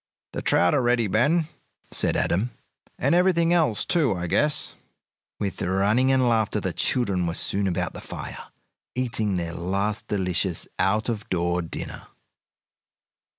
"The trout are ready, Ben," said Adam, "and everything else, too, I guess." With running and laughter the children were soon about the fire, eating their last delicious out of door dinner.